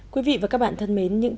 quý vị và các bạn thân mến